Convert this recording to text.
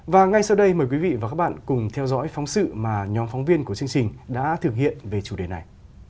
và ngay sau đây mời quý vị và các bạn cùng theo dõi phóng sự mà nhóm phóng viên của chương trình đã thực hiện về chủ đề này